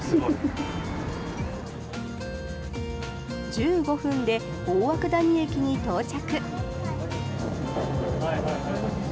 １５分で大涌谷駅に到着。